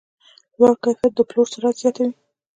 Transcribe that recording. لوړ کیفیت د پلور سرعت زیاتوي.